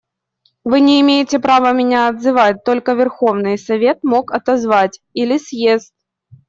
Вы не имеете права меня отзывать, только Верховный Совет мог отозвать, или съезд.